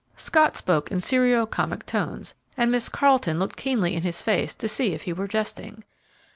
Scott spoke in serio comic tones, and Miss Carleton looked keenly in his face to see if he were jesting.